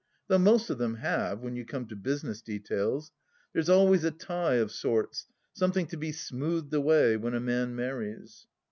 Though most of them have, when you come to business details. There's always a tie — of sorts — something to be smoothed away, when a man marries.